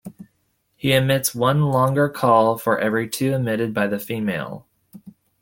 He emits one longer call for every two emitted by the female.